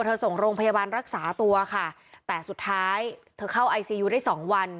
ส่งโรงพยาบาลรักษาตัวค่ะแต่สุดท้ายเธอเข้าไอซียูได้สองวัน